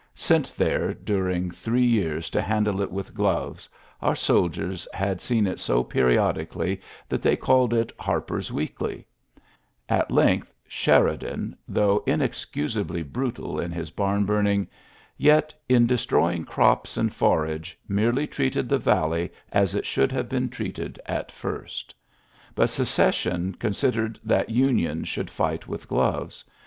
Sent there during three xAuioij v^urce^""^' ''"^^^^>£>»«» 110 ULYSSES s. GBAisrr years to handle it with gloves^ our sol diers had seen it so periodically that ih^y called it Harper^s Weekly, At length Sheridan^ though Inexcusably brutal in his barn burning, yet^ in destro3ring crops and foragC; merely treated the valley as ,^ it should have been treated at first Bat p Secession considered that Union should Ix fight with gloves.